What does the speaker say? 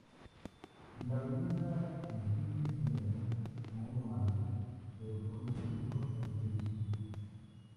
La bebida en sí es negra y muy amarga, pero con un dulzor característico.